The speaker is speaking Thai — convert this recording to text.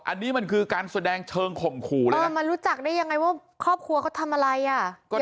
อันนี้มันคือการแสดงเชิงข่มขู่เลยมารู้จักได้ยังไงว่าครอบครัวเขาทำอะไรอ่ะ